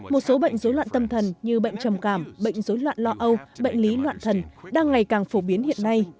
một số bệnh dối loạn tâm thần như bệnh trầm cảm bệnh dối loạn lo âu bệnh lý loạn thần đang ngày càng phổ biến hiện nay